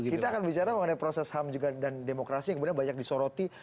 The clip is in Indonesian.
kita akan bicara mengenai proses ham juga dan demokrasi yang kemudian banyak disoroti